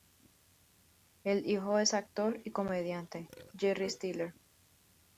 Es hijo del actor y comediante Jerry Stiller.